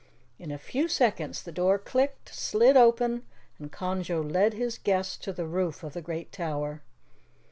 In a few seconds the door clicked, slid open, and Conjo led his guests to the roof of the great tower.